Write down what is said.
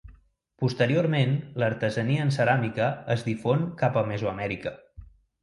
Posteriorment l'artesania en ceràmica es difon cap a Mesoamèrica.